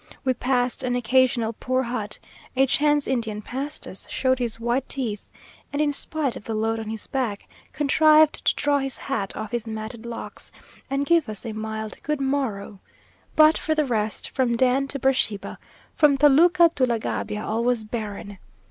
We passed an occasional poor hut a chance Indian passed us showed his white teeth, and, in spite of the load on his back, contrived to draw his hat off his matted locks, and give us a mild good morrow but for the rest, from Dan to Beersheba, from Toluca to La Gabia, all was barren.